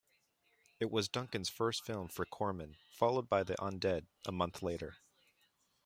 It was Duncan's first film for Corman, followed by "The Undead" a month later.